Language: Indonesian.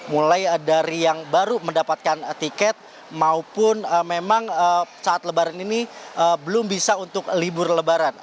mulai dari yang baru mendapatkan tiket maupun memang saat lebaran ini belum bisa untuk libur lebaran